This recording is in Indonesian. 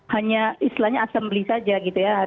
hanya istilahnya assembeli saja gitu ya